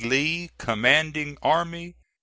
LEE. Commanding Army, N.